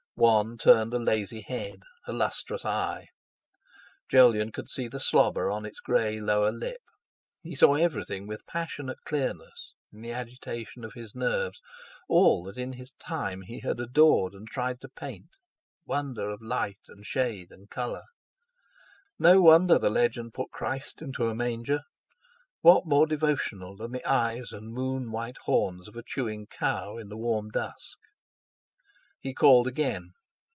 One turned a lazy head, a lustrous eye; Jolyon could see the slobber on its grey lower lip. He saw everything with passionate clearness, in the agitation of his nerves—all that in his time he had adored and tried to paint—wonder of light and shade and colour. No wonder the legend put Christ into a manger—what more devotional than the eyes and moon white horns of a chewing cow in the warm dusk! He called again.